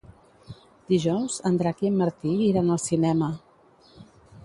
Dijous en Drac i en Martí iran al cinema.